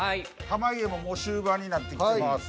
濱家ももう終盤になってきてます。